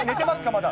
まだ。